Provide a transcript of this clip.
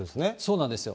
そうなんですよ。